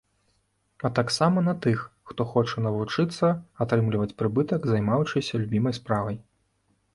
А таксама на тых, хто хоча навучыцца атрымліваць прыбытак, займаючыся любімай справай.